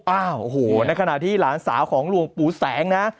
โอ้โหในขณะที่หลานสาวของหลวงปู่แสงนะ